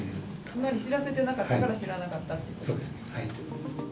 つまり知らせてなかったから知らなかったということですね。